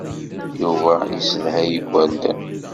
Yuba yessedhay igerdan.